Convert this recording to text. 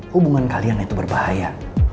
hubungan kalian itu berbahaya